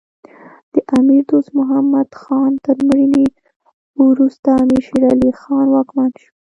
د امیر دوست محمد خان تر مړینې وروسته امیر شیر علی خان واکمن شو.